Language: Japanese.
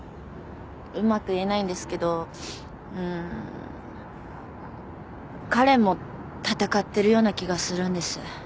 うまく言えないんですけど彼も闘ってるような気がするんです。